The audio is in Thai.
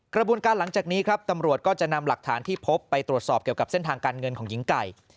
กระบวนการหลังจากนี้ครับตำรวจก็จะนำหลักฐานที่พบไปตรวจสอบเกี่ยวกับเส้นทางการเงินของหญิงไก่